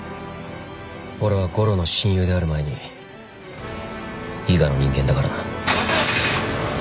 俺は悟郎の親友である前に伊賀の人間だからな。